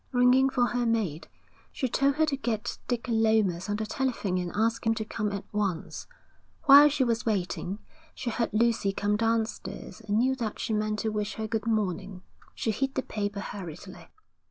Ringing for her maid, she told her to get Dick Lomas on the telephone and ask him to come at once. While she was waiting, she heard Lucy come downstairs and knew that she meant to wish her good morning. She hid the paper hurriedly.